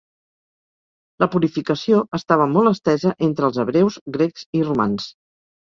La purificació estava molt estesa entre els hebreus, grecs i romans.